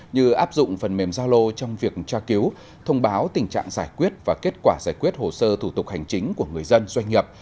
như áp dụng phần mềm giao lô trong việc tra cứu thông báo tình trạng giải quyết và kết quả giải quyết hồ sơ thủ tục hành chính của người dân doanh nghiệp